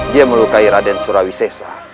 dia melukai raden surawi sesa